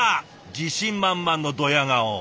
自信満々のドヤ顔。